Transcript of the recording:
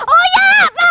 oh ya bakar